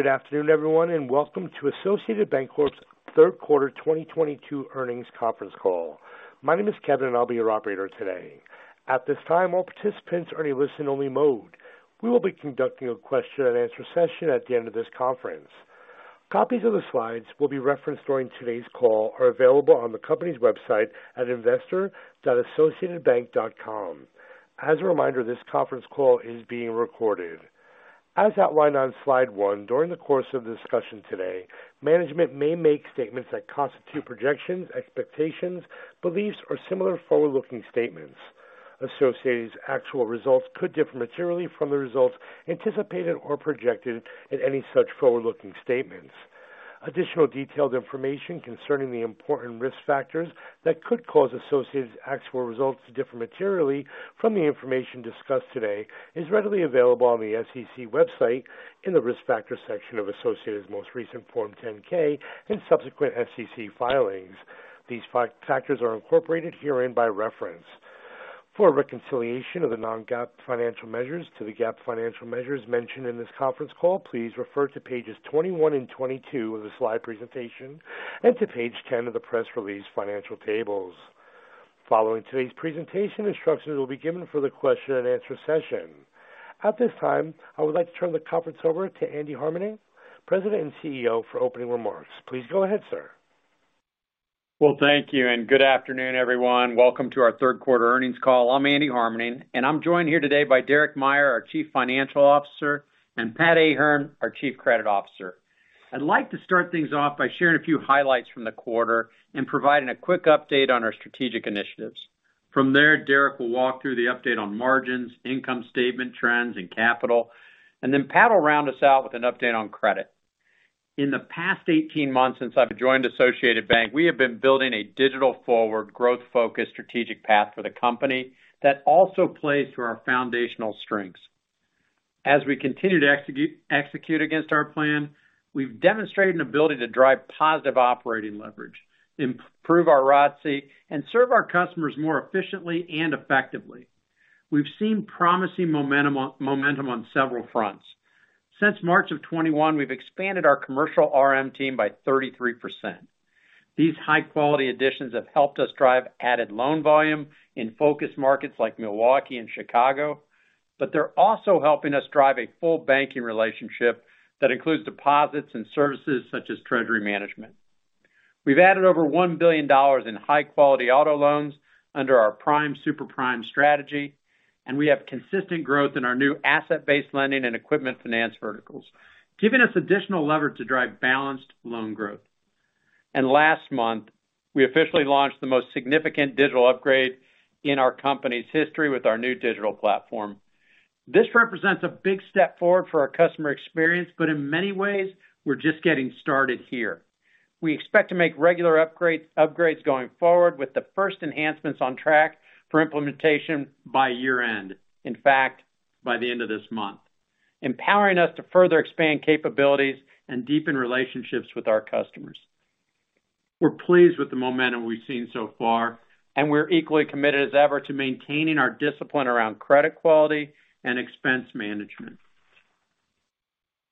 Good afternoon, everyone, and welcome to Associated Banc-Corp's third quarter 2022 earnings conference call. My name is Kevin, and I'll be your operator today. At this time, all participants are in a listen-only mode. We will be conducting a question-and-answer session at the end of this conference. Copies of the slides that will be referenced during today's call are available on the company's website at investor.associatedbank.com. As a reminder, this conference call is being recorded. As outlined on slide one, during the course of the discussion today, management may make statements that constitute projections, expectations, beliefs, or similar forward-looking statements. Associated's actual results could differ materially from the results anticipated or projected in any such forward-looking statements. Additional detailed information concerning the important risk factors that could cause Associated's actual results to differ materially from the information discussed today is readily available on the SEC website in the Risk Factors section of Associated's most recent Form 10-K and subsequent SEC filings. These factors are incorporated herein by reference. For a reconciliation of the non-GAAP financial measures to the GAAP financial measures mentioned in this conference call, please refer to pages 21 and 22 of the slide presentation and to page 10 of the press release financial tables. Following today's presentation, instructions will be given for the question-and-answer session. At this time, I would like to turn the conference over to Andy Harmening, President and CEO, for opening remarks. Please go ahead, sir. Well, thank you, and good afternoon, everyone. Welcome to our third quarter earnings call. I'm Andy Harmening, and I'm joined here today by Derek Meyer, our Chief Financial Officer, and Pat Ahern, our Chief Credit Officer. I'd like to start things off by sharing a few highlights from the quarter and providing a quick update on our strategic initiatives. From there, Derek will walk through the update on margins, income statement trends, and capital, and then Pat will round us out with an update on credit. In the past 18 months since I've joined Associated Bank, we have been building a digital-forward, growth-focused strategic path for the company that also plays to our foundational strengths. As we continue to execute against our plan, we've demonstrated an ability to drive positive operating leverage, improve our ROTCE, and serve our customers more efficiently and effectively. We've seen promising momentum on several fronts. Since March of 2021, we've expanded our commercial RM team by 33%. These high-quality additions have helped us drive added loan volume in focus markets like Milwaukee and Chicago, but they're also helping us drive a full banking relationship that includes deposits and services such as treasury management. We've added over $1 billion in high-quality auto loans under our prime/super prime strategy, and we have consistent growth in our new asset-based lending and equipment finance verticals, giving us additional leverage to drive balanced loan growth. Last month, we officially launched the most significant digital upgrade in our company's history with our new digital platform. This represents a big step forward for our customer experience, but in many ways, we're just getting started here. We expect to make regular upgrades going forward with the first enhancements on track for implementation by year-end. In fact, by the end of this month, empowering us to further expand capabilities and deepen relationships with our customers. We're pleased with the momentum we've seen so far, and we're equally committed as ever to maintaining our discipline around credit quality and expense management.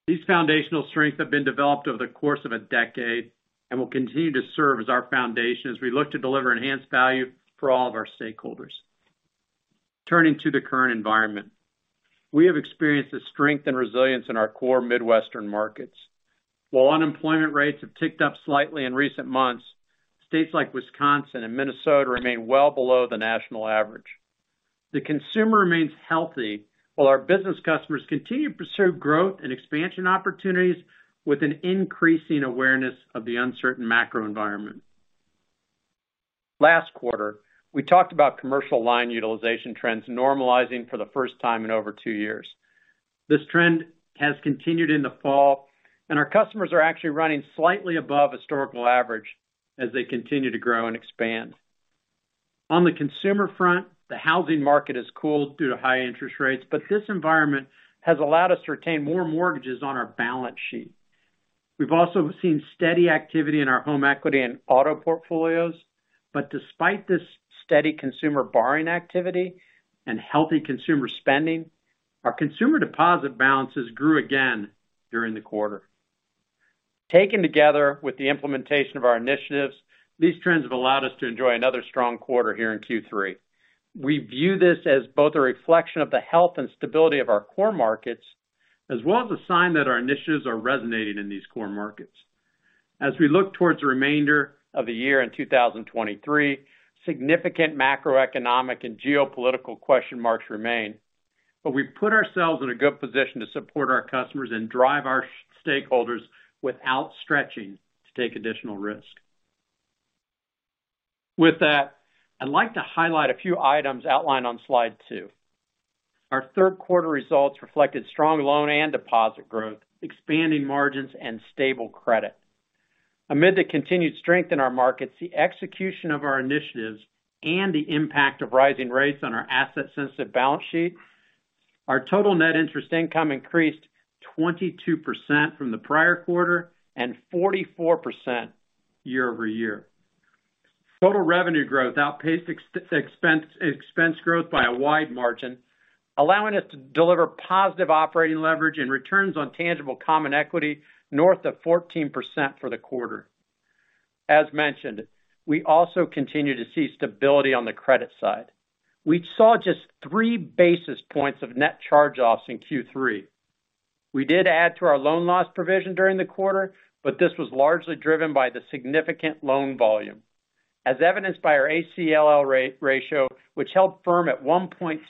These foundational strengths have been developed over the course of a decade and will continue to serve as our foundation as we look to deliver enhanced value for all of our stakeholders. Turning to the current environment. We have experienced the strength and resilience in our core Midwestern markets. While unemployment rates have ticked up slightly in recent months, states like Wisconsin and Minnesota remain well below the national average. The consumer remains healthy while our business customers continue to pursue growth and expansion opportunities with an increasing awareness of the uncertain macro environment. Last quarter, we talked about commercial line utilization trends normalizing for the first time in over two years. This trend has continued in the fall, and our customers are actually running slightly above historical average as they continue to grow and expand. On the consumer front, the housing market has cooled due to high interest rates, but this environment has allowed us to retain more mortgages on our balance sheet. We've also seen steady activity in our home equity and auto portfolios. Despite this steady consumer borrowing activity and healthy consumer spending, our consumer deposit balances grew again during the quarter. Taken together with the implementation of our initiatives, these trends have allowed us to enjoy another strong quarter here in Q3. We view this as both a reflection of the health and stability of our core markets, as well as a sign that our initiatives are resonating in these core markets. As we look towards the remainder of the year in 2023, significant macroeconomic and geopolitical question marks remain. We've put ourselves in a good position to support our customers and drive our stakeholders without stretching to take additional risk. With that, I'd like to highlight a few items outlined on slide two. Our third quarter results reflected strong loan and deposit growth, expanding margins, and stable credit. Amid the continued strength in our markets, the execution of our initiatives, and the impact of rising rates on our asset-sensitive balance sheet, our total net interest income increased 22% from the prior quarter and 44% year-over-year. Total revenue growth outpaced expense growth by a wide margin, allowing us to deliver positive operating leverage and returns on tangible common equity north of 14% for the quarter. As mentioned, we also continue to see stability on the credit side. We saw just 3 basis points of net charge-offs in Q3. We did add to our loan loss provision during the quarter, but this was largely driven by the significant loan volume. As evidenced by our ACL ratio, which held firm at 1.2%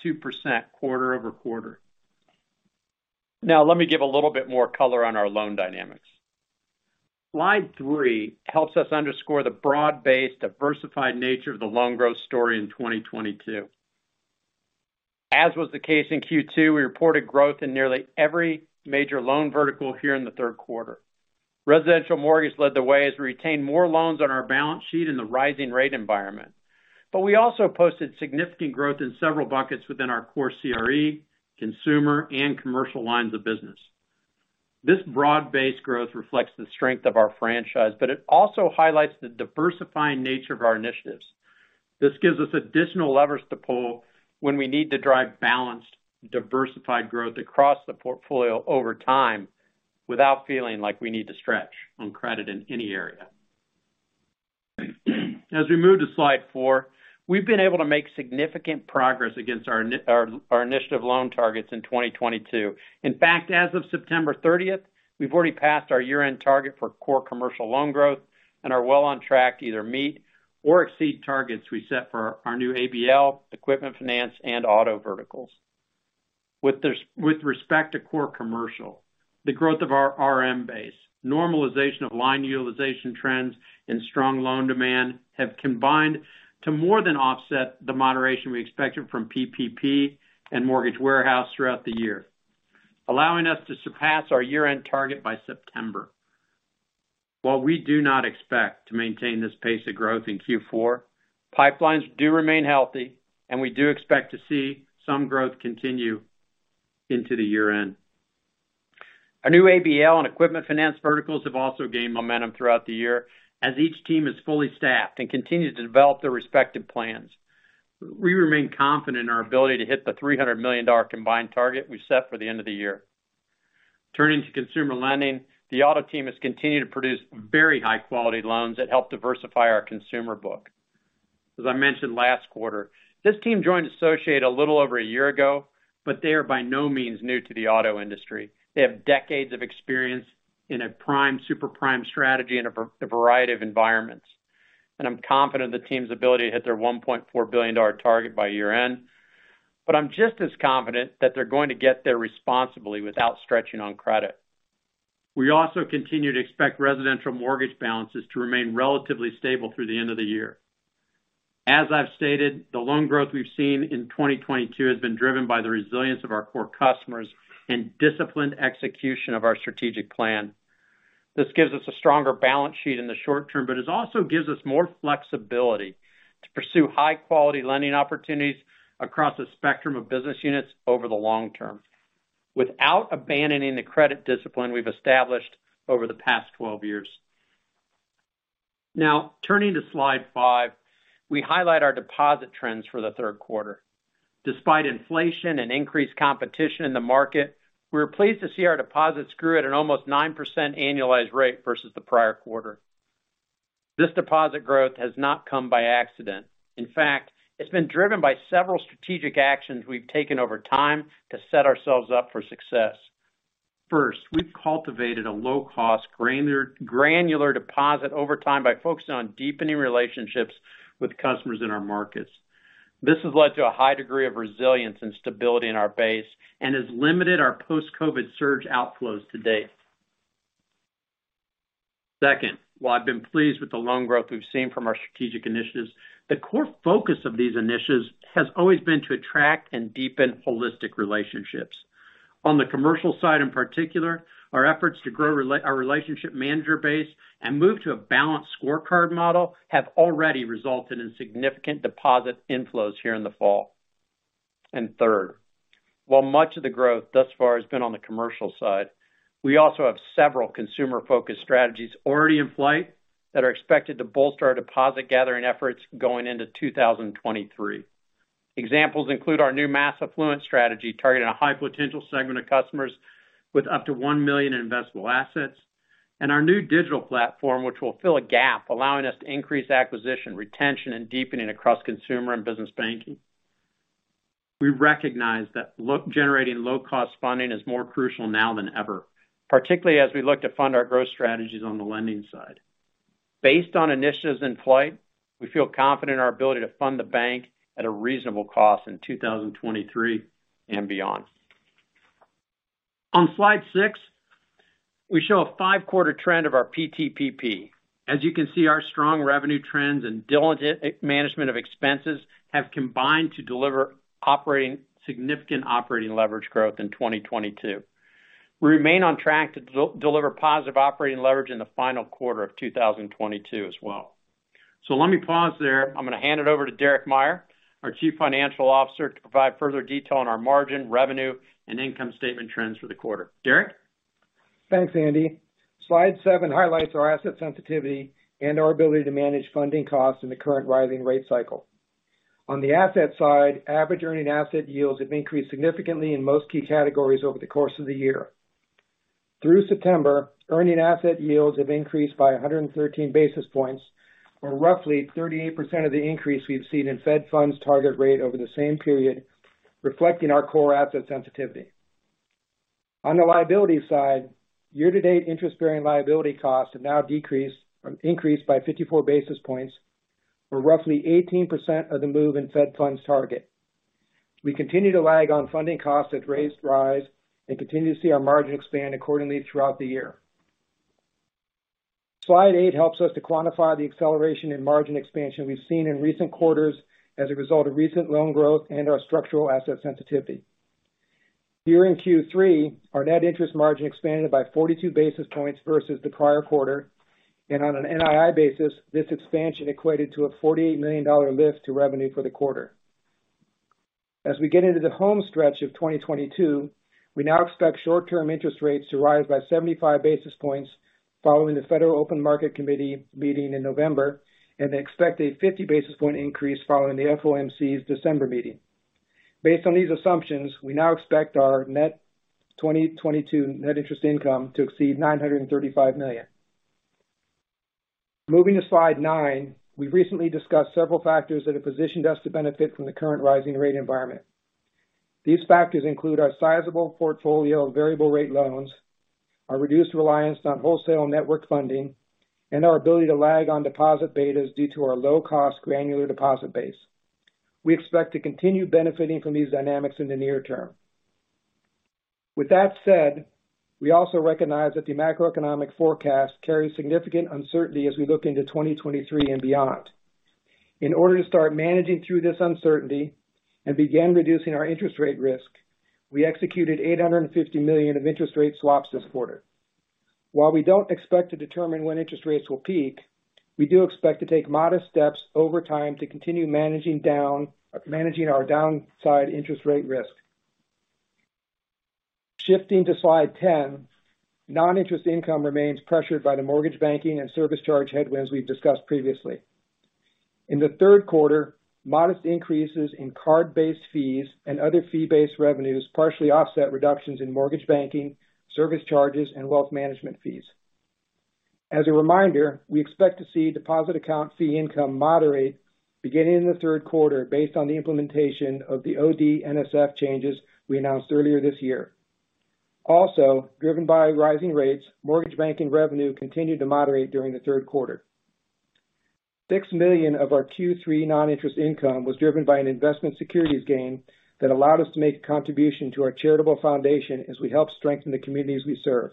quarter-over-quarter. Now, let me give a little bit more color on our loan dynamics. Slide three helps us underscore the broad-based diversified nature of the loan growth story in 2022. As was the case in Q2, we reported growth in nearly every major loan vertical here in the third quarter. Residential mortgage led the way as we retained more loans on our balance sheet in the rising rate environment. We also posted significant growth in several buckets within our core CRE, consumer and commercial lines of business. This broad-based growth reflects the strength of our franchise, but it also highlights the diversifying nature of our initiatives. This gives us additional levers to pull when we need to drive balanced, diversified growth across the portfolio over time without feeling like we need to stretch on credit in any area. As we move to slide four, we've been able to make significant progress against our initiative loan targets in 2022. In fact, as of September 30th, we've already passed our year-end target for core commercial loan growth and are well on track to either meet or exceed targets we set for our new ABL, equipment finance, and auto verticals. With respect to core commercial, the growth of our RM base, normalization of line utilization trends and strong loan demand have combined to more than offset the moderation we expected from PPP and mortgage warehouse throughout the year, allowing us to surpass our year-end target by September. While we do not expect to maintain this pace of growth in Q4, pipelines do remain healthy and we do expect to see some growth continue into the year-end. Our new ABL and equipment finance verticals have also gained momentum throughout the year, as each team is fully staffed and continues to develop their respective plans. We remain confident in our ability to hit the $300 million combined target we've set for the end of the year. Turning to consumer lending, the auto team has continued to produce very high-quality loans that help diversify our consumer book. As I mentioned last quarter, this team joined Associated a little over a year ago, but they are by no means new to the auto industry. They have decades of experience in a prime, super prime strategy in a variety of environments. I'm confident the team's ability to hit their $1.4 billion target by year-end. But I'm just as confident that they're going to get there responsibly without stretching on credit. We also continue to expect residential mortgage balances to remain relatively stable through the end of the year. As I've stated, the loan growth we've seen in 2022 has been driven by the resilience of our core customers and disciplined execution of our strategic plan. This gives us a stronger balance sheet in the short term, but it also gives us more flexibility to pursue high-quality lending opportunities across a spectrum of business units over the long term, without abandoning the credit discipline we've established over the past 12 years. Now, turning to slide five, we highlight our deposit trends for the third quarter. Despite inflation and increased competition in the market, we were pleased to see our deposits grew at an almost 9% annualized rate versus the prior quarter. This deposit growth has not come by accident. In fact, it's been driven by several strategic actions we've taken over time to set ourselves up for success. First, we've cultivated a low-cost granular deposit over time by focusing on deepening relationships with customers in our markets. This has led to a high degree of resilience and stability in our base and has limited our post-COVID surge outflows to date. Second, while I've been pleased with the loan growth we've seen from our strategic initiatives, the core focus of these initiatives has always been to attract and deepen holistic relationships. On the commercial side, in particular, our efforts to grow our relationship manager base and move to a balanced scorecard model have already resulted in significant deposit inflows here in the fall. Third, while much of the growth thus far has been on the commercial side, we also have several consumer-focused strategies already in flight that are expected to bolster our deposit gathering efforts going into 2023. Examples include our new mass affluent strategy, targeting a high potential segment of customers with up to 1 million in investable assets, and our new digital platform, which will fill a gap allowing us to increase acquisition, retention, and deepening across consumer and business banking. We recognize that generating low-cost funding is more crucial now than ever, particularly as we look to fund our growth strategies on the lending side. Based on initiatives in flight, we feel confident in our ability to fund the bank at a reasonable cost in 2023 and beyond. On slide six, we show a five-quarter trend of our PTPP. As you can see, our strong revenue trends and diligent management of expenses have combined to deliver significant operating leverage growth in 2022. We remain on track to deliver positive operating leverage in the final quarter of 2022 as well. Let me pause there. I'm gonna hand it over to Derek Meyer, our Chief Financial Officer, to provide further detail on our margin, revenue, and income statement trends for the quarter. Derek? Thanks, Andy. Slide seven highlights our asset sensitivity and our ability to manage funding costs in the current rising rate cycle. On the asset side, average earning asset yields have increased significantly in most key categories over the course of the year. Through September, earning asset yields have increased by 113 basis points, or roughly 38% of the increase we've seen in Fed funds target rate over the same period, reflecting our core asset sensitivity. On the liability side, year-to-date interest-bearing liability costs have now increased by 54 basis points for roughly 18% of the move in Fed funds target. We continue to lag on funding costs as rates rise and continue to see our margin expand accordingly throughout the year. Slide 8 helps us to quantify the acceleration in margin expansion we've seen in recent quarters as a result of recent loan growth and our structural asset sensitivity. Here in Q3, our net interest margin expanded by 42 basis points versus the prior quarter, and on an NII basis, this expansion equated to a $48 million lift to revenue for the quarter. As we get into the home stretch of 2022, we now expect short-term interest rates to rise by 75 basis points following the Federal Open Market Committee meeting in November, and they expect a 50 basis point increase following the FOMC's December meeting. Based on these assumptions, we now expect our net 2022 net interest income to exceed $935 million. Moving to Slide nine, we've recently discussed several factors that have positioned us to benefit from the current rising rate environment. These factors include our sizable portfolio of variable rate loans, our reduced reliance on wholesale network funding, and our ability to lag on deposit betas due to our low-cost granular deposit base. We expect to continue benefiting from these dynamics in the near term. With that said, we also recognize that the macroeconomic forecast carries significant uncertainty as we look into 2023 and beyond. In order to start managing through this uncertainty and begin reducing our interest rate risk, we executed $850 million of interest rate swaps this quarter. While we don't expect to determine when interest rates will peak, we do expect to take modest steps over time to continue managing our downside interest rate risk. Shifting to slide 10, non-interest income remains pressured by the mortgage banking and service charge headwinds we've discussed previously. In the third quarter, modest increases in card-based fees and other fee-based revenues partially offset reductions in mortgage banking, service charges, and wealth management fees. As a reminder, we expect to see deposit account fee income moderate beginning in the third quarter based on the implementation of the OD/NSF changes we announced earlier this year. Also, driven by rising rates, mortgage banking revenue continued to moderate during the third quarter. $6 million of our Q3 non-interest income was driven by an investment securities gain that allowed us to make a contribution to our charitable foundation as we help strengthen the communities we serve.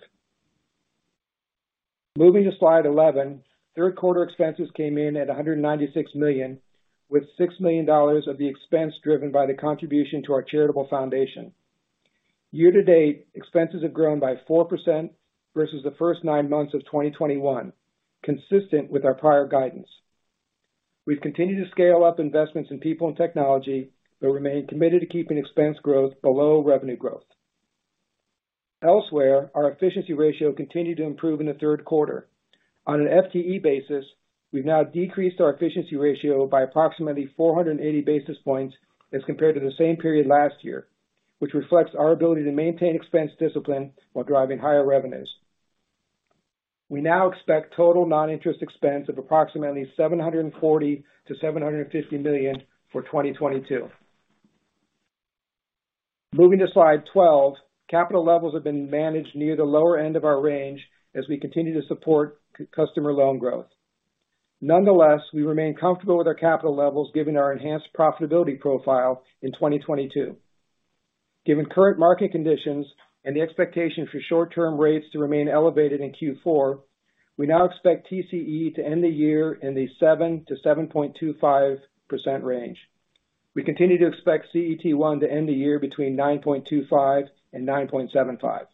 Moving to slide 11, third quarter expenses came in at $196 million, with $6 million of the expense driven by the contribution to our charitable foundation. Year to date, expenses have grown by 4% versus the first nine months of 2021, consistent with our prior guidance. We've continued to scale up investments in people and technology, but remain committed to keeping expense growth below revenue growth. Elsewhere, our efficiency ratio continued to improve in the third quarter. On an FTE basis, we've now decreased our efficiency ratio by approximately 480 basis points as compared to the same period last year, which reflects our ability to maintain expense discipline while driving higher revenues. We now expect total non-interest expense of approximately $740 million-$750 million for 2022. Moving to slide 12, capital levels have been managed near the lower end of our range as we continue to support customer loan growth. Nonetheless, we remain comfortable with our capital levels given our enhanced profitability profile in 2022. Given current market conditions and the expectation for short-term rates to remain elevated in Q4, we now expect TCE to end the year in the 7%-7.25% range. We continue to expect CET1 to end the year between 9.25% and 9.75%.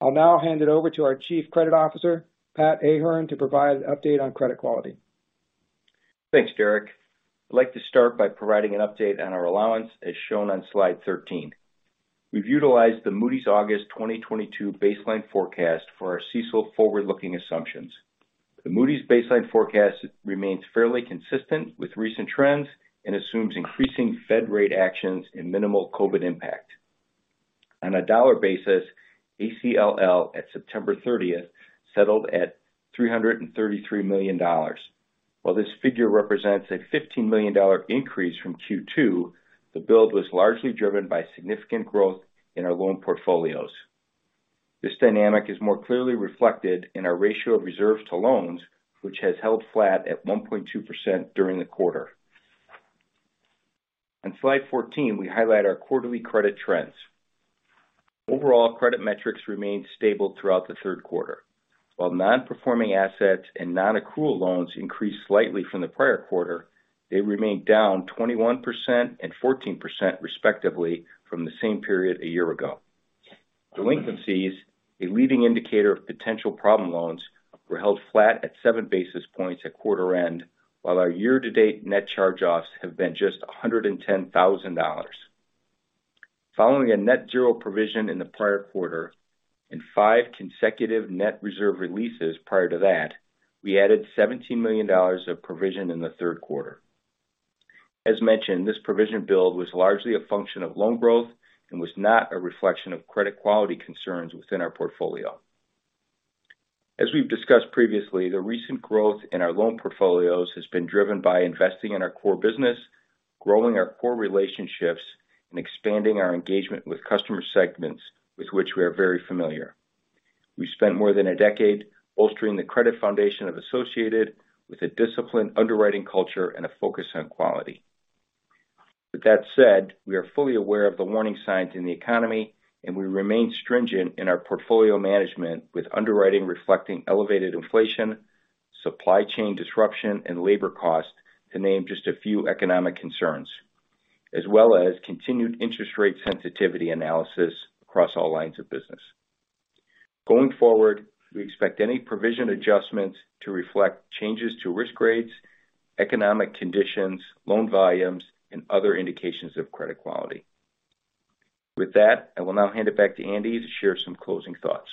I'll now hand it over to our Chief Credit Officer, Pat Ahern, to provide an update on credit quality. Thanks, Derek. I'd like to start by providing an update on our allowance, as shown on slide 13. We've utilized the Moody's August 2022 baseline forecast for our CECL forward-looking assumptions. The Moody's baseline forecast remains fairly consistent with recent trends and assumes increasing Fed rate actions and minimal COVID impact. On a dollar basis, ALLL at September 30th settled at $333 million. While this figure represents a $15 million increase from Q2, the build was largely driven by significant growth in our loan portfolios. This dynamic is more clearly reflected in our ratio of reserves to loans, which has held flat at 1.2% during the quarter. On slide 14, we highlight our quarterly credit trends. Overall, credit metrics remained stable throughout the third quarter. While non-performing assets and non-accrual loans increased slightly from the prior quarter, they remained down 21% and 14% respectively from the same period a year ago. Delinquencies, a leading indicator of potential problem loans, were held flat at 7 basis points at quarter end, while our year-to-date net charge-offs have been just $110,000. Following a net zero provision in the prior quarter and five consecutive net reserve releases prior to that, we added $17 million of provision in the third quarter. As mentioned, this provision build was largely a function of loan growth and was not a reflection of credit quality concerns within our portfolio. As we've discussed previously, the recent growth in our loan portfolios has been driven by investing in our core business, growing our core relationships, and expanding our engagement with customer segments with which we are very familiar. We spent more than a decade bolstering the credit foundation of Associated with a disciplined underwriting culture and a focus on quality. With that said, we are fully aware of the warning signs in the economy, and we remain stringent in our portfolio management with underwriting reflecting elevated inflation, supply chain disruption, and labor cost, to name just a few economic concerns, as well as continued interest rate sensitivity analysis across all lines of business. Going forward, we expect any provision adjustments to reflect changes to risk grades, economic conditions, loan volumes, and other indications of credit quality. With that, I will now hand it back to Andy to share some closing thoughts.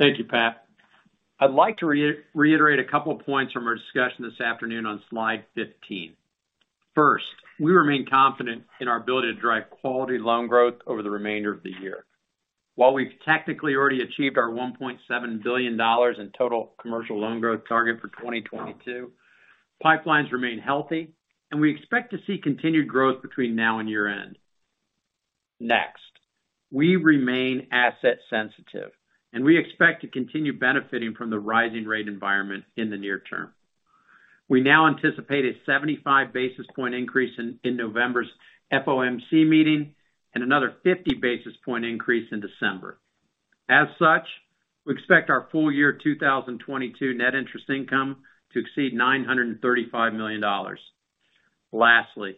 Thank you, Pat. I'd like to reiterate a couple points from our discussion this afternoon on slide 15. First, we remain confident in our ability to drive quality loan growth over the remainder of the year. While we've technically already achieved our $1.7 billion in total commercial loan growth target for 2022, pipelines remain healthy, and we expect to see continued growth between now and year-end. Next, we remain asset sensitive, and we expect to continue benefiting from the rising rate environment in the near term. We now anticipate a 75 basis point increase in November's FOMC meeting and another 50 basis point increase in December. As such, we expect our full year 2022 net interest income to exceed $935 million. Lastly,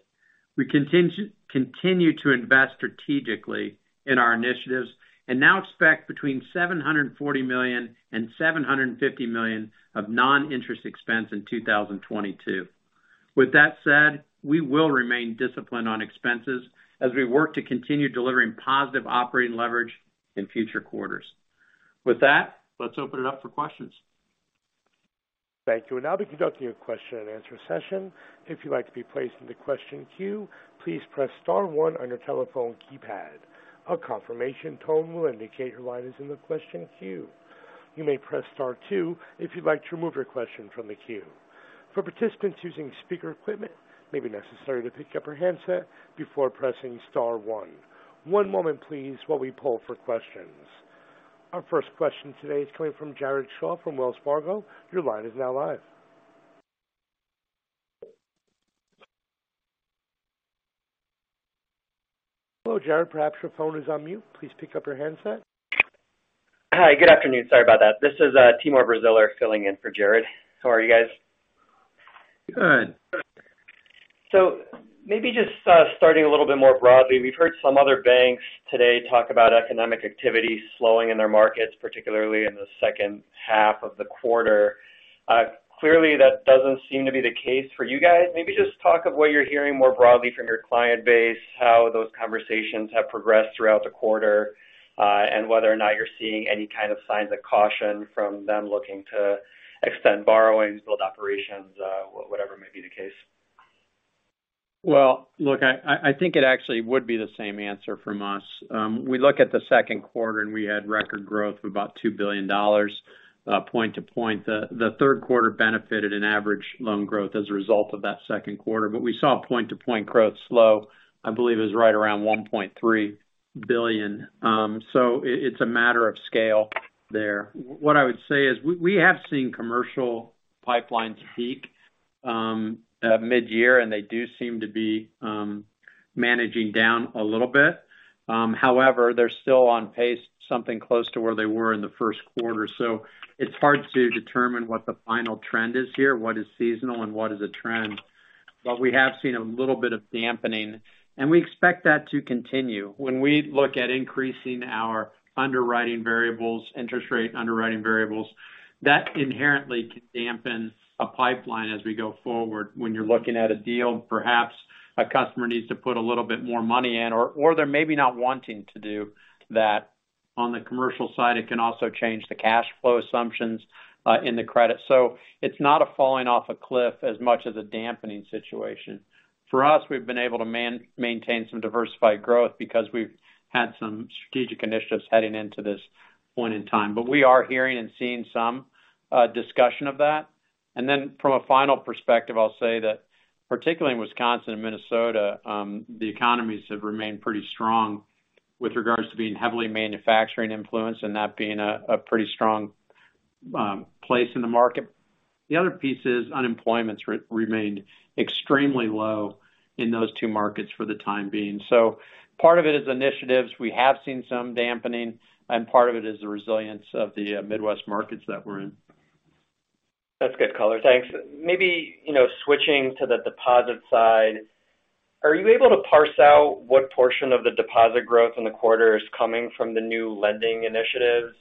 we continue to invest strategically in our initiatives and now expect between $740 million and $750 million of non-interest expense in 2022. With that said, we will remain disciplined on expenses as we work to continue delivering positive operating leverage in future quarters. With that, let's open it up for questions. Thank you. We'll now be conducting a question-and-answer session. If you'd like to be placed in the question queue, please press star one on your telephone keypad. A confirmation tone will indicate your line is in the question queue. You may press star two if you'd like to remove your question from the queue. For participants using speaker equipment, it may be necessary to pick up your handset before pressing star one. One moment please while we poll for questions. Our first question today is coming from Jared Shaw from Wells Fargo. Your line is now live. Hello, Jared. Perhaps your phone is on mute. Please pick up your handset. Hi, good afternoon. Sorry about that. This is Timur Braziler filling in for Jared. How are you guys? Good. Maybe just starting a little bit more broadly. We've heard some other banks today talk about economic activity slowing in their markets, particularly in the second half of the quarter. Clearly, that doesn't seem to be the case for you guys. Maybe just talk of what you're hearing more broadly from your client base, how those conversations have progressed throughout the quarter, and whether or not you're seeing any kind of signs of caution from them looking to extend borrowings, build operations, whatever may be the case. Well, look, I think it actually would be the same answer from us. We look at the second quarter, and we had record growth of about $2 billion point-to-point. The third quarter benefited an average loan growth as a result of that second quarter. We saw point-to-point growth slow. I believe it was right around $1.3 billion. It's a matter of scale there. What I would say is we have seen commercial pipelines peak midyear, and they do seem to be managing down a little bit. However, they're still on pace something close to where they were in the first quarter. It's hard to determine what the final trend is here, what is seasonal and what is a trend. We have seen a little bit of dampening, and we expect that to continue. When we look at increasing our underwriting variables, interest rate underwriting variables, that inherently can dampen a pipeline as we go forward. When you're looking at a deal, perhaps a customer needs to put a little bit more money in or they're maybe not wanting to do that. On the commercial side, it can also change the cash flow assumptions in the credit. So, it's not a falling off a cliff as much as a dampening situation. For us, we've been able to maintain some diversified growth because we've had some strategic initiatives heading into this point in time. We are hearing and seeing some discussion of that. From a final perspective, I'll say that particularly in Wisconsin and Minnesota, the economies have remained pretty strong with regards to being heavily manufacturing influenced and that being a pretty strong place in the market. The other piece is unemployment's remained extremely low in those two markets for the time being. Part of it is initiatives. We have seen some dampening, and part of it is the resilience of the Midwest markets that we're in. That's good color. Thanks. Maybe, you know, switching to the deposit side, are you able to parse out what portion of the deposit growth in the quarter is coming from the new lending initiatives?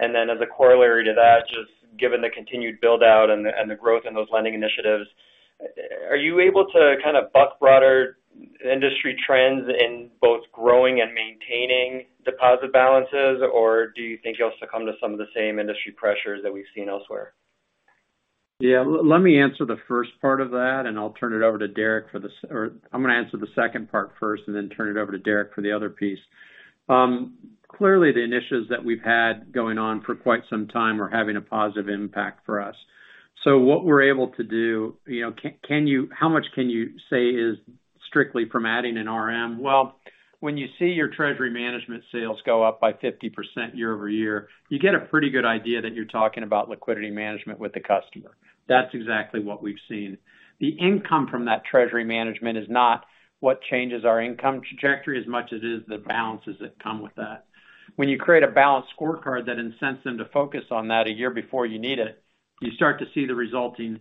As a corollary to that, just given the continued build-out and the growth in those lending initiatives, are you able to kind of buck broader industry trends in both growing and maintaining deposit balances? Or do you think you'll succumb to some of the same industry pressures that we've seen elsewhere? Yeah. Let me answer the first part of that, or I'm gonna answer the second part first and then turn it over to Derek for the other piece. Clearly the initiatives that we've had going on for quite some time are having a positive impact for us. What we're able to do, you know, how much can you say is strictly from adding an RM? Well, when you see your treasury management sales go up by 50% year-over-year, you get a pretty good idea that you're talking about liquidity management with the customer. That's exactly what we've seen. The income from that treasury management is not what changes our income trajectory as much as it is the balances that come with that. When you create a balanced scorecard that incents them to focus on that a year before you need it, you start to see the resulting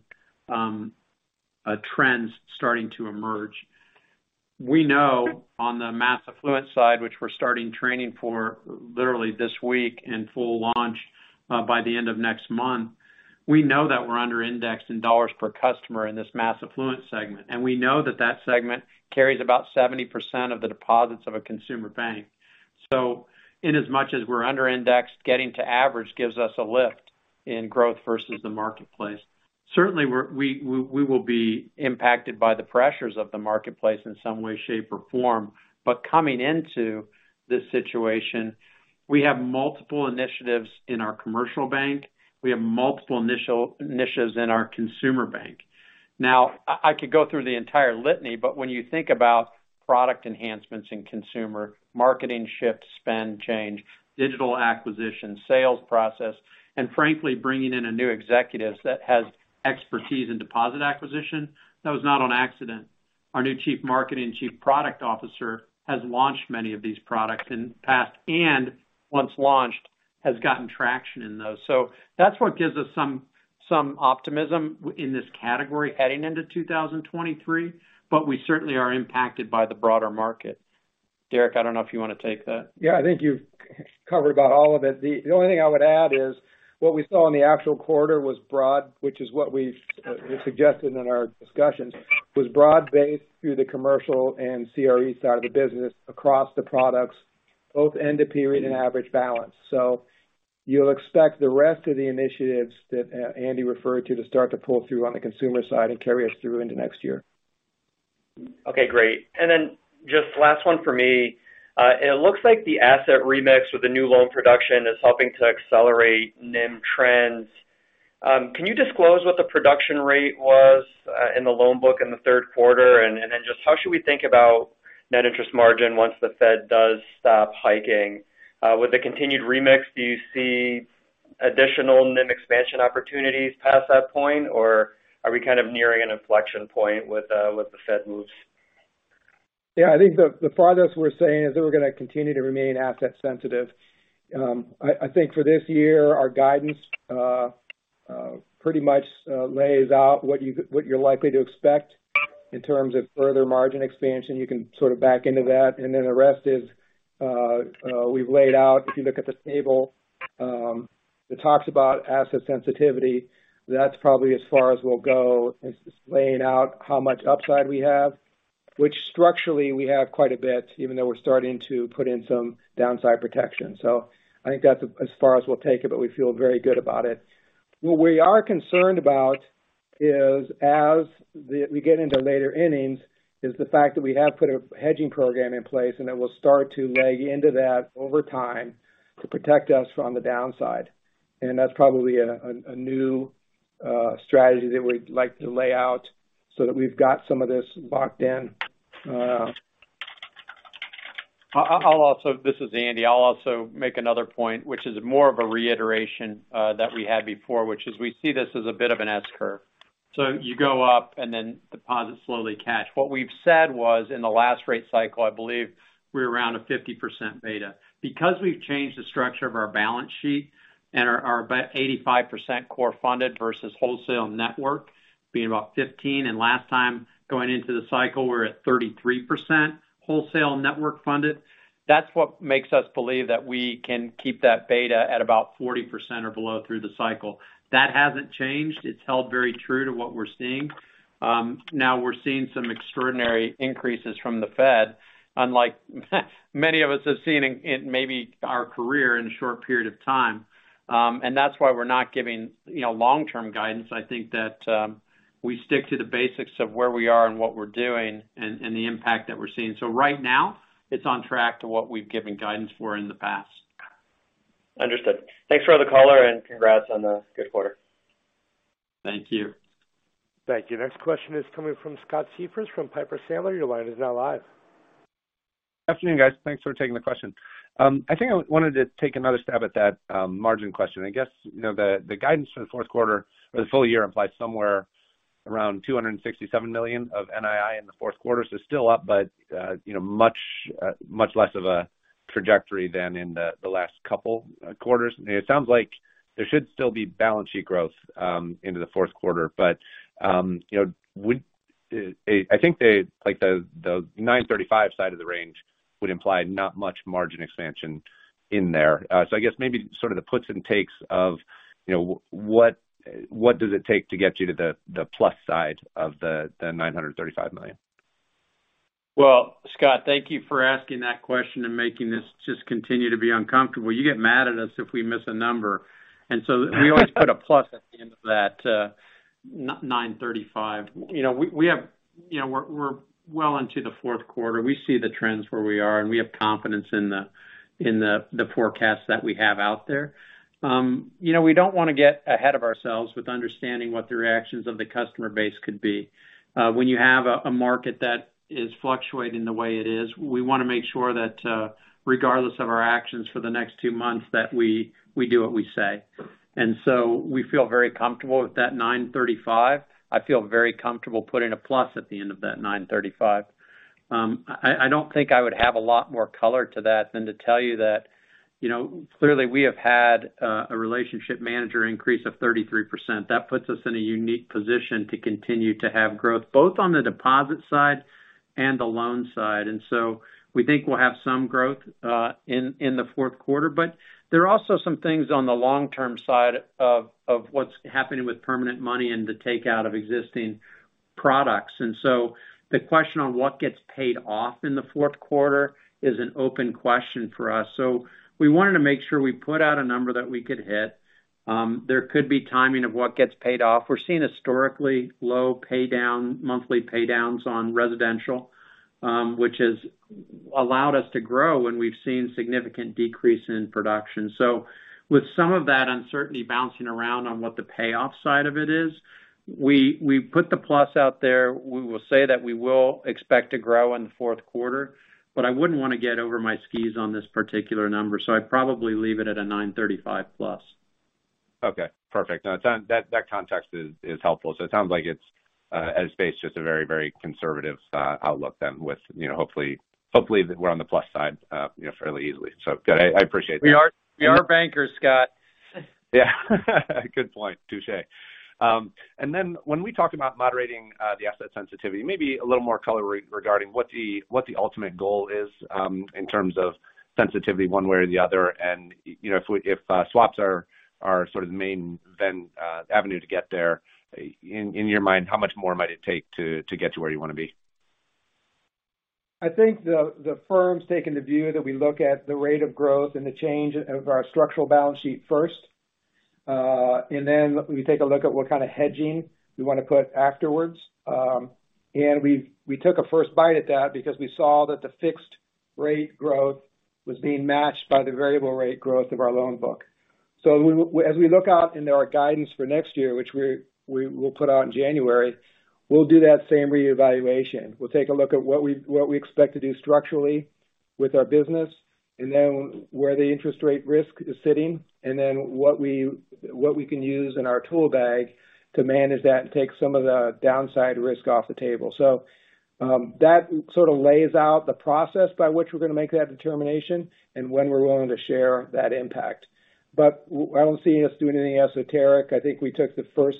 trends starting to emerge. We know on the mass affluent side, which we're starting training for literally this week and full launch by the end of next month. We know that we're under-indexed in dollars per customer in this mass affluent segment, and we know that that segment carries about 70% of the deposits of a consumer bank. In as much as we're under-indexed, getting to average gives us a lift in growth versus the marketplace. Certainly, we will be impacted by the pressures of the marketplace in some way, shape, or form. Coming into this situation, we have multiple initiatives in our commercial bank. We have multiple initiatives in our consumer bank. I could go through the entire litany, but when you think about product enhancements in consumer, marketing shift, spend change, digital acquisition, sales process, and frankly, bringing in a new executive that has expertise in deposit acquisition, that was not on accident. Our new chief marketing, chief product officer has launched many of these products in the past, and once launched, has gotten traction in those. That's what gives us some optimism in this category heading into 2023, but we certainly are impacted by the broader market. Derek, I don't know if you wanna take that. Yeah. I think you've covered about all of it. The only thing I would add is what we saw in the actual quarter was broad, which is what we've suggested in our discussions, was broad-based through the commercial and CRE side of the business across the products, both end of period and average balance. You'll expect the rest of the initiatives that Andy referred to start to pull through on the consumer side and carry us through into next year. Okay. Great. Just last one for me. It looks like the asset remix with the new loan production is helping to accelerate NIM trends. Can you disclose what the production rate was in the loan book in the third quarter? Just how should we think about net interest margin once the Fed does stop hiking? With the continued remix, do you see additional NIM expansion opportunities past that point, or are we kind of nearing an inflection point with the Fed moves? Yeah. I think the farthest we're saying is that we're gonna continue to remain asset sensitive. I think for this year, our guidance pretty much lays out what you're likely to expect in terms of further margin expansion. You can sort of back into that. The rest is we've laid out. If you look at the table, it talks about asset sensitivity. That's probably as far as we'll go as laying out how much upside we have, which structurally we have quite a bit, even though we're starting to put in some downside protection. I think that's as far as we'll take it, but we feel very good about it. What we are concerned about is, as we get into later innings, is the fact that we have put a hedging program in place, and it will start to lay into that over time to protect us from the downside. That's probably a new strategy that we'd like to lay out so that we've got some of this locked in. This is Andy. I'll also make another point, which is more of a reiteration, that we had before, which is we see this as a bit of an S curve. You go up and then deposits slowly catch up. What we've said was, in the last rate cycle, I believe we were around a 50% beta. Because we've changed the structure of our balance sheet and are about 85% core funded versus wholesale network being about 15%, and last time going into the cycle, we're at 33% wholesale network funded. That's what makes us believe that we can keep that beta at about 40% or below through the cycle. That hasn't changed. It's held very true to what we're seeing. Now we're seeing some extraordinary increases from the Fed, unlike many of us have seen in maybe our career in a short period of time. That's why we're not giving, you know, long-term guidance. I think that we stick to the basics of where we are and what we're doing and the impact that we're seeing. Right now, it's on track to what we've given guidance for in the past. Understood. Thanks for all the color, and congrats on a good quarter. Thank you. Thank you. Next question is coming from Scott Siefers from Piper Sandler. Your line is now live. Good afternoon, guys. Thanks for taking the question. I think I wanted to take another stab at that, margin question. I guess, you know, the guidance for the fourth quarter or the full year implies somewhere around $267 million of NII in the fourth quarter. Still up, but you know, much less of a trajectory than in the last couple quarters. I mean, it sounds like there should still be balance sheet growth into the fourth quarter. You know, I think the, like, the $935 million side of the range would imply not much margin expansion in there. I guess maybe sort of the puts and takes of, you know, what does it take to get you to the plus side of the $935 million? Well, Scott, thank you for asking that question and making this just continue to be uncomfortable. You get mad at us if we miss a number. We always put a plus at the end of that $935 million. You know, we're well into the fourth quarter. We see the trends where we are, and we have confidence in the forecast that we have out there. You know, we don't wanna get ahead of ourselves with understanding what the reactions of the customer base could be. When you have a market that is fluctuating the way it is, we wanna make sure that, regardless of our actions for the next two months, that we do what we say. We feel very comfortable with that $935 million. I feel very comfortable putting a plus at the end of that $935 million. I don't think I would have a lot more color to that than to tell you that, you know, clearly, we have had a relationship manager increase of 33%. That puts us in a unique position to continue to have growth, both on the deposit side and the loan side. We think we'll have some growth in the fourth quarter. There are also some things on the long-term side of what's happening with permanent money and the takeout of existing products. The question on what gets paid off in the fourth quarter is an open question for us. We wanted to make sure we put out a number that we could hit. There could be timing of what gets paid off. We're seeing historically low pay down, monthly pay downs on residential, which has allowed us to grow, and we've seen significant decrease in production. With some of that uncertainty bouncing around on what the payoff side of it is, we put the plus out there. We will say that we will expect to grow in the fourth quarter, but I wouldn't wanna get over my skis on this particular number, so I'd probably leave it at a $935 million plus. Okay, perfect. That context is helpful. It sounds like it's just a very conservative outlook then with, you know, hopefully we're on the plus side, you know, fairly easily. Good. I appreciate that. We are bankers, Scott. Yeah. Good point. Touché. When we talked about moderating the asset sensitivity, maybe a little more color regarding what the ultimate goal is, in terms of sensitivity one way or the other. You know, if swaps are sort of the main avenue to get there, in your mind, how much more might it take to get to where you wanna be? I think the firm's taken the view that we look at the rate of growth and the change of our structural balance sheet first. Then we take a look at what kind of hedging we wanna put afterwards. We took a first bite at that because we saw that the fixed rate growth was being matched by the variable rate growth of our loan book. As we look out into our guidance for next year, which we will put out in January, we'll do that same reevaluation. We'll take a look at what we expect to do structurally with our business, and then where the interest rate risk is sitting, and then what we can use in our tool bag to manage that and take some of the downside risk off the table. That sort of lays out the process by which we're gonna make that determination and when we're willing to share that impact. I don't see us doing anything esoteric. I think we took the first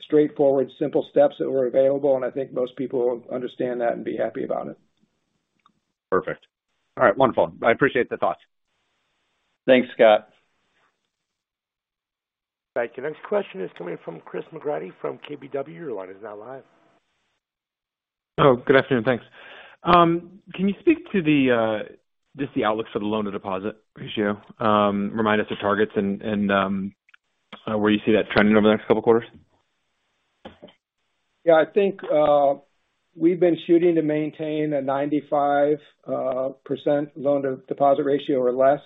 straightforward, simple steps that were available, and I think most people understand that and be happy about it. Perfect. All right. Wonderful. I appreciate the thoughts. Thanks, Scott. Thank you. Next question is coming from Chris McGratty from KBW. Your line is now live. Good afternoon. Thanks. Can you speak to just the outlook for the loan to deposit ratio? Remind us of targets and where you see that trending over the next couple quarters. Yeah. I think we've been shooting to maintain a 95% loan to deposit ratio or less.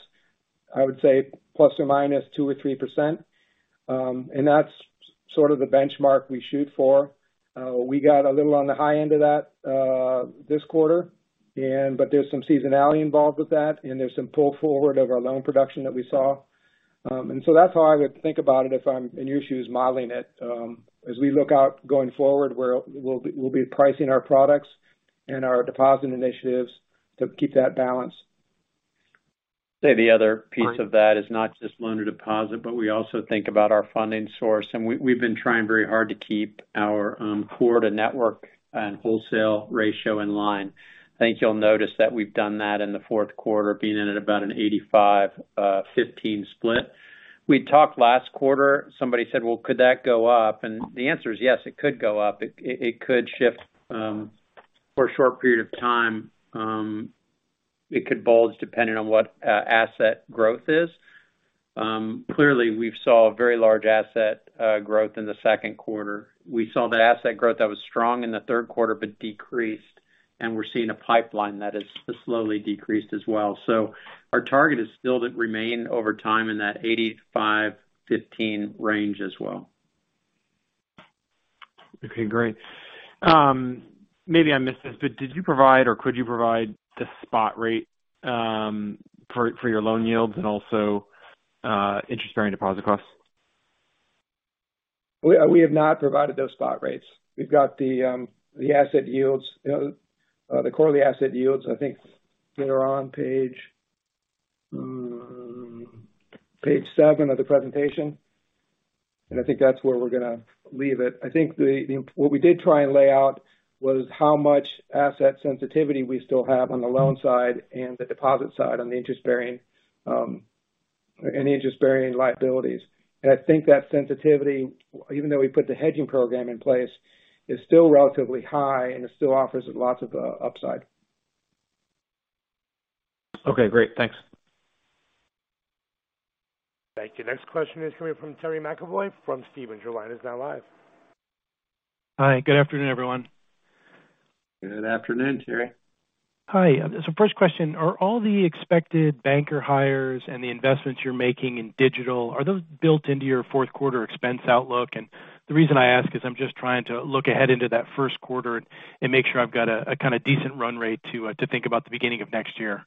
I would say plus or minus 2% or 3%. That's sort of the benchmark we shoot for. We got a little on the high end of that this quarter. There's some seasonality involved with that, and there's some pull forward of our loan production that we saw. That's how I would think about it if I'm in your shoes modeling it. As we look out going forward, we'll be pricing our products and our deposit initiatives to keep that balance. Say the other piece of that is not just loan to deposit, but we also think about our funding source. We've been trying very hard to keep our core to network and wholesale ratio in line. I think you'll notice that we've done that in the fourth quarter, being in at about an 85-15 split. We talked last quarter. Somebody said, "Well, could that go up?" The answer is yes, it could go up. It could shift for a short period of time. It could bulge depending on what asset growth is. Clearly, we've saw a very large asset growth in the second quarter. We saw that asset growth that was strong in the third quarter, but decreased, and we're seeing a pipeline that has slowly decreased as well. Our target is still to remain over time in that 85-15 range as well. Okay, great. Maybe I missed this, but did you provide or could you provide the spot rate for your loan yields and also interest-bearing deposit costs? We have not provided those spot rates. We've got the asset yields, the quarterly asset yields, I think they're on page seven of the presentation. I think that's where we're gonna leave it. I think what we did try and lay out was how much asset sensitivity we still have on the loan side and the deposit side on the interest-bearing, any interest-bearing liabilities. I think that sensitivity, even though we put the hedging program in place, is still relatively high and it still offers lots of, upside. Okay, great. Thanks. Thank you. Next question is coming from Terry McEvoy from Stephens. Your line is now live. Hi. Good afternoon, everyone. Good afternoon, Terry. Hi. First question, are all the expected banker hires and the investments you're making in digital, are those built into your fourth quarter expense outlook? The reason I ask is I'm just trying to look ahead into that first quarter and make sure I've got a kind of decent run rate to think about the beginning of next year.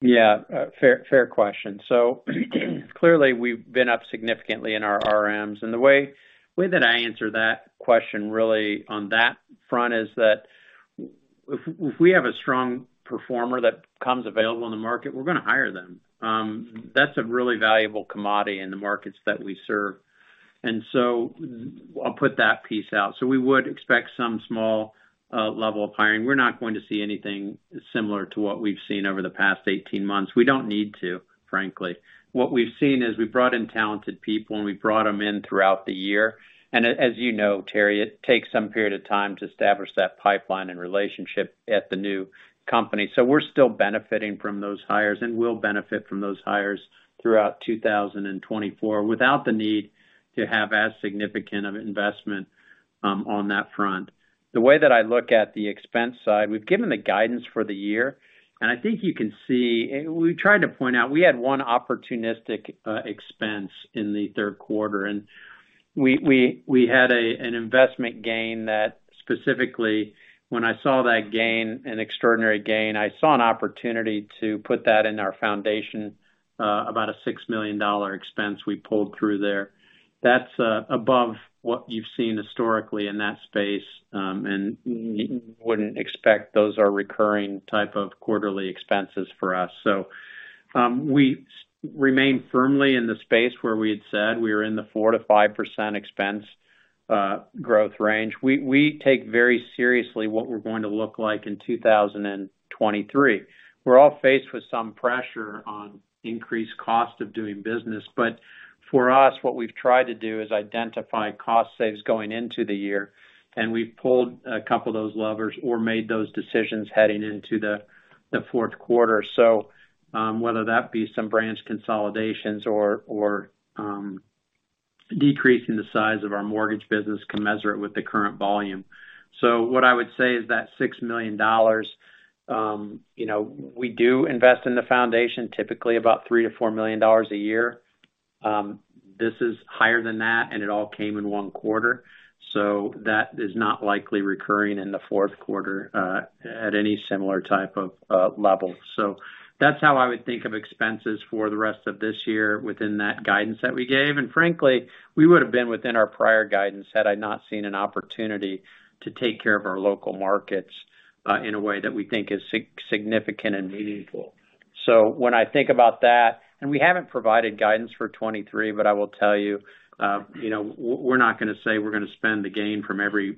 Yeah, fair question. The way that I answer that question really on that front is that if we have a strong performer that comes available in the market, we're gonna hire them. That's a really valuable commodity in the markets that we serve. I'll put that piece out. We would expect some small level of hiring. We're not going to see anything similar to what we've seen over the past 18 months. We don't need to, frankly. What we've seen is we've brought in talented people, and we've brought them in throughout the year. As you know, Terry, it takes some period of time to establish that pipeline and relationship at the new company. We're still benefiting from those hires and will benefit from those hires throughout 2024 without the need to have as significant of investment on that front. The way that I look at the expense side, we've given the guidance for the year. I think you can see we tried to point out we had one opportunistic expense in the third quarter. We had an investment gain that specifically when I saw that gain, an extraordinary gain, I saw an opportunity to put that in our foundation, about a $6 million expense we pulled through there. That's above what you've seen historically in that space, and you wouldn't expect those are recurring type of quarterly expenses for us. We remain firmly in the space where we had said we were in the 4%-5% expense growth range. We take very seriously what we're going to look like in 2023. We're all faced with some pressure on increased cost of doing business. For us, what we've tried to do is identify cost savings going into the year, and we've pulled a couple of those levers or made those decisions heading into the fourth quarter. Whether that be some branch consolidations or decreasing the size of our mortgage business commensurate with the current volume. What I would say is that $6 million, you know, we do invest in the foundation, typically about $3 million-$4 million a year. This is higher than that, and it all came in one quarter. That is not likely recurring in the fourth quarter at any similar type of level. That's how I would think of expenses for the rest of this year within that guidance that we gave. Frankly, we would have been within our prior guidance had I not seen an opportunity to take care of our local markets in a way that we think is significant and meaningful. When I think about that and we haven't provided guidance for 2023, but I will tell you know, we're not gonna say we're gonna spend the gain from every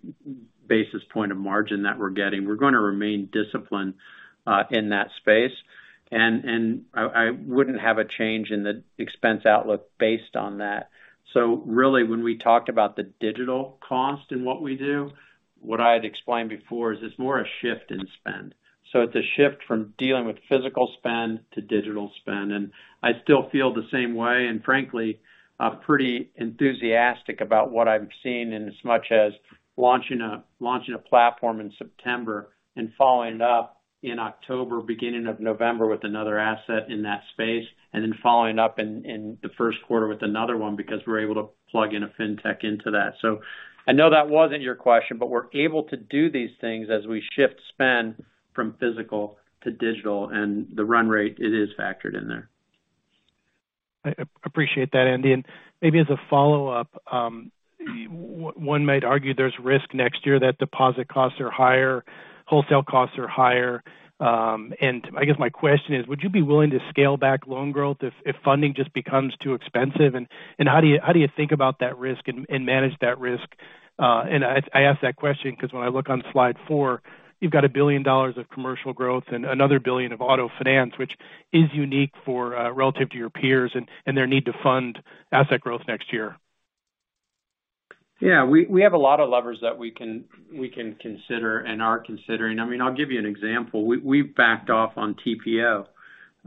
basis point of margin that we're getting. We're gonna remain disciplined in that space. I wouldn't have a change in the expense outlook based on that. Really, when we talked about the digital cost in what we do, what I had explained before is it's more a shift in spend. It's a shift from dealing with physical spend to digital spend. I still feel the same way, and frankly, I'm pretty enthusiastic about what I'm seeing in as much as launching a platform in September and following it up in October, beginning of November with another asset in that space, and then following up in the first quarter with another one because we're able to plug in a fintech into that. I know that wasn't your question, but we're able to do these things as we shift spend from physical to digital and the run rate it is factored in there. I appreciate that, Andy. Maybe as a follow-up, one might argue there's risk next year that deposit costs are higher, wholesale costs are higher. I guess my question is, would you be willing to scale back loan growth if funding just becomes too expensive? How do you think about that risk and manage that risk? I ask that question because when I look on slide four, you've got $1 billion of commercial growth and another $1 billion of auto finance, which is unique for relative to your peers and their need to fund asset growth next year. Yeah. We have a lot of levers that we can consider and are considering. I mean, I'll give you an example. We've backed off on TPO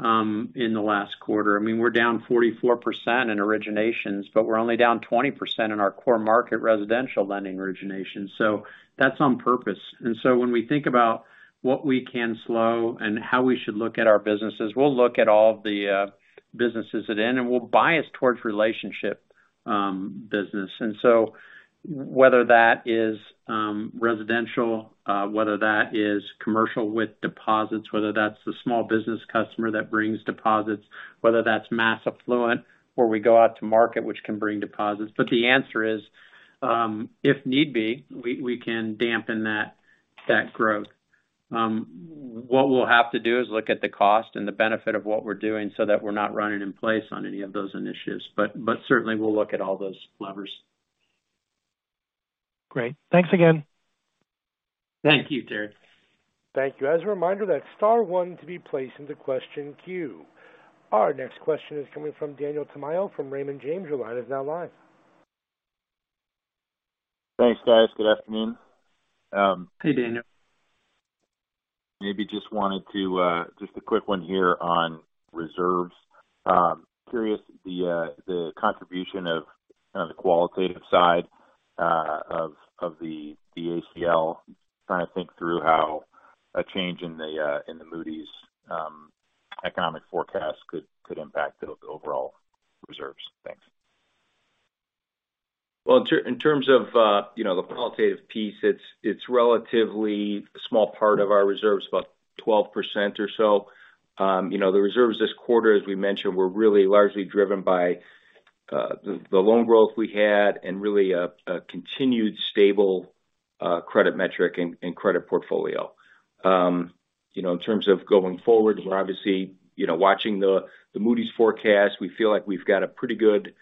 in the last quarter. I mean, we're down 44% in originations, but we're only down 20% in our core market residential lending originations. That's on purpose. When we think about- What we can slow and how we should look at our businesses. We'll look at all the businesses within, and we'll bias towards relationship business. Whether that is residential, whether that is commercial with deposits, whether that's the small business customer that brings deposits, whether that's mass affluent, or we go out to market, which can bring deposits. But the answer is, if need be, we can dampen that growth. What we'll have to do is look at the cost and the benefit of what we're doing so that we're not running in place on any of those initiatives. But certainly we'll look at all those levers. Great. Thanks again. Thank you, Terry. Thank you. As a reminder, that's star one to be placed into question queue. Our next question is coming from Daniel Tamayo from Raymond James. Your line is now live. Thanks, guys. Good afternoon. Hey, Daniel. Just a quick one here on reserves. Curious about the contribution of, kind of, the qualitative side of the ACL. Trying to think through how a change in the Moody's economic forecast could impact the overall reserves. Thanks. Well, in terms of, you know, the qualitative piece, it's relatively a small part of our reserves, about 12% or so. You know, the reserves this quarter, as we mentioned, were really largely driven by the loan growth we had and really a continued stable credit metric and credit portfolio. You know, in terms of going forward, we're obviously, you know, watching the Moody's forecast. We feel like we've got a pretty good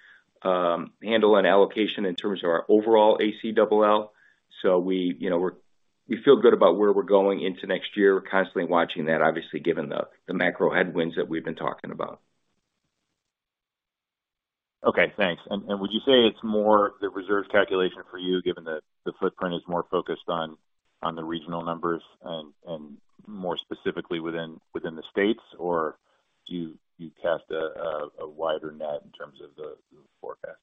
handle on allocation in terms of our overall ACLL. We, you know, feel good about where we're going into next year. We're constantly watching that, obviously, given the macro headwinds that we've been talking about. Okay, thanks. Would you say it's more the reserve calculation for you, given that the footprint is more focused on the regional numbers and more specifically within the States? Do you cast a wider net in terms of the forecast?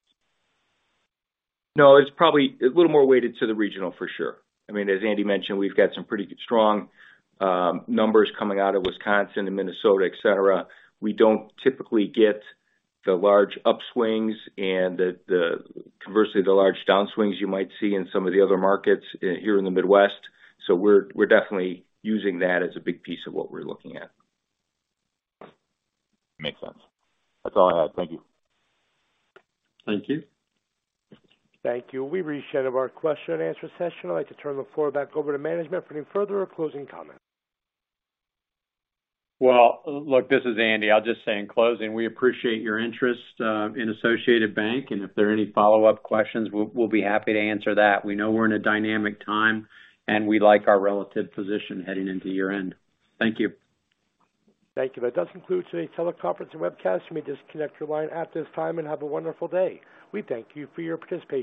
No, it's probably a little more weighted to the regional for sure. I mean, as Andy mentioned, we've got some pretty strong numbers coming out of Wisconsin and Minnesota, et cetera. We don't typically get the large upswings and the conversely, the large downswings you might see in some of the other markets here in the Midwest. We're definitely using that as a big piece of what we're looking at. Makes sense. That's all I have. Thank you. Thank you. Thank you. We've reached the end of our question and answer session. I'd like to turn the floor back over to management for any further closing comments. Well, look, this is Andy. I'll just say in closing, we appreciate your interest in Associated Bank, and if there are any follow-up questions, we'll be happy to answer that. We know we're in a dynamic time, and we like our relative position heading into year-end. Thank you. Thank you. That does conclude today's teleconference and webcast. You may disconnect your line at this time, and have a wonderful day. We thank you for your participation.